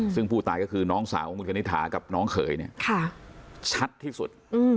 ซึ่งผู้ตายก็คือน้องสาวของคุณคณิตถากับน้องเขยเนี่ยชัดที่สุด